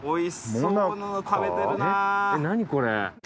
何これ？